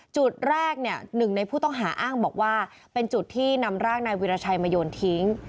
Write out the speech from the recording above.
จุดแรกเนี่ยหนึ่งในผู้ต้องหาอ้างบอกว่าเป็นจุดที่นำร่างนายวิราชัยมาโยนทิ้ง